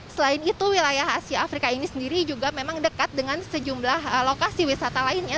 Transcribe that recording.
selain itu wilayah asia afrika ini sendiri juga memang dekat dengan sejumlah lokasi wisata lainnya